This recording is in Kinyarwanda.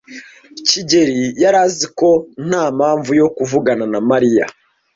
kigeli yari azi ko nta mpamvu yo kuvugana na Mariya.